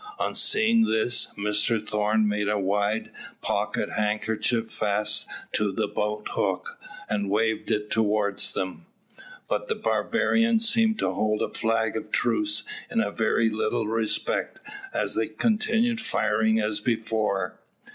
On seeing this, Mr Thorn made a white pocket handkerchief fast to a boat hook, and waved it towards them, but the barbarians seemed to hold a flag of truce in very little respect, as they continued firing as before.